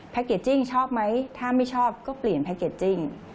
เกจจิ้งชอบไหมถ้าไม่ชอบก็เปลี่ยนแพ็กเกจจิ้ง